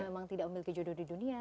memang tidak memiliki judul di dunia